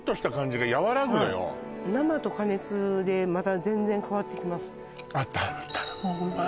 はい生と加熱でまた全然変わってきますあっ